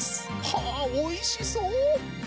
はあおいしそう！